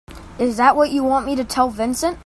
Is that what you want me to tell Vincent?